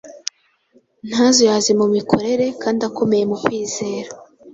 ntazuyaze mu mikorere kandi akomeye mu kwizera.